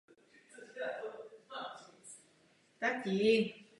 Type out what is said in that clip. Představení se hrálo tři roky a poté se objevil ještě v několika televizních představeních.